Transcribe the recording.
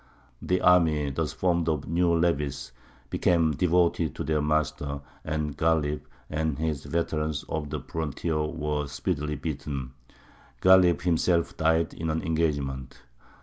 The army thus formed of new levies became devoted to their master, and Ghālib and his veterans of the frontier were speedily beaten; Ghālib himself died in an engagement.